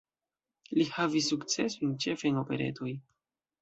Li havis sukcesojn ĉefe en operetoj.